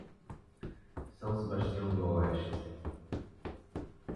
São Sebastião do Oeste